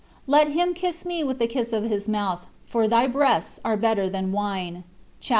''let him kiss MB WITH THE KISS OP HIS MOUTH, FOR THY BREASTS ARE BETTER THAN WINE. (Chap.